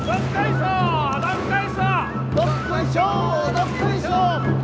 どっこいしょー